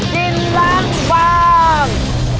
กินหลังบ้าง